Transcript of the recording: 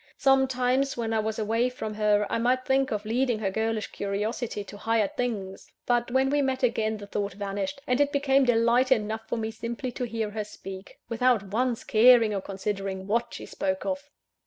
Sometimes, when I was away from her, I might think of leading her girlish curiosity to higher things; but when we met again, the thought vanished; and it became delight enough for me simply to hear her speak, without once caring or considering what she spoke of.